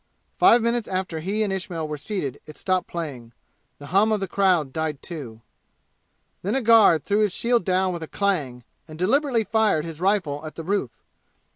Five minutes after he and Ismail were seated it stopped playing. The hum of the crowd died too. Then a guard threw his shield down with a clang and deliberately fired his rifle at the roof.